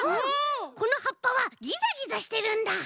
このはっぱはギザギザしてるんだ！